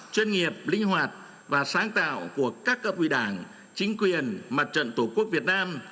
chuyên nghiệp linh hoạt và sáng tạo của các cấp ủy đảng chính quyền mặt trận tổ quốc việt nam